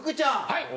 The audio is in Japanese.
はい！